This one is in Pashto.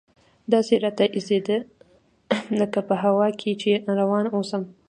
داسې راته اېسېده لکه په هوا کښې چې روان اوسم.